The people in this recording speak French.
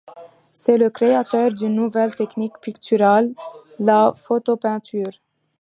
C'est le créateur d'une nouvelle technique picturale, la photopeinture.